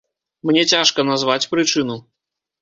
Мне цяжка назваць прычыну.